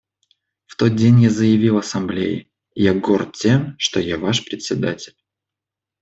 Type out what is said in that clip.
В тот день я заявил Ассамблее: «Я горд тем, что я ваш Председатель».